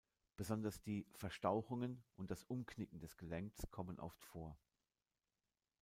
Besonders die „Verstauchungen“ und das „Umknicken“ des Gelenks kommen oft vor.